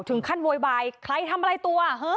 ถึงขั้นโบยบายใครทำอะไรตัว